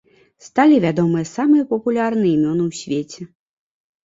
Сталі вядомыя самыя папулярныя імёны ў свеце.